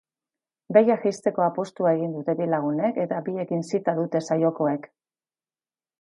Behiak jeizteko apostua egin dute bi lagunek eta biekin zita dute saiokoek.